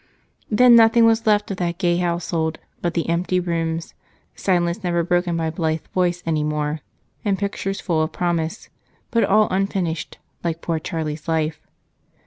Then nothing was left of that gay household but the empty rooms, silence never broken by a blithe voice anymore, and pictures full of promise, but all unfinished, like poor Charlie's life.